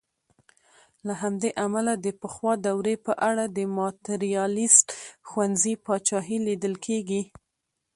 له همدې امله د پخوا دورې په اړه د ماتریالیسټ ښوونځي پاچاهي لیدل کېږي.